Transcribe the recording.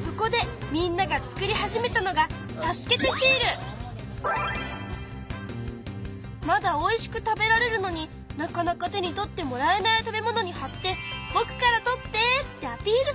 そこでみんなが作り始めたのがまだおいしく食べられるのになかなか手に取ってもらえない食べ物にはって「ぼくから取って」ってアピールするの。